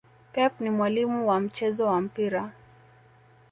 pep ni mwalimu wa mchezo wa mpira